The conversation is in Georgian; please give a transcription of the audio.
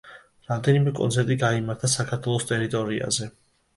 რამდენიმე კონცერტი გამართა საქართველოს ტერიტორიაზე.